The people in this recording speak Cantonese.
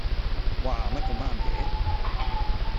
嘩，乜咁啱嘅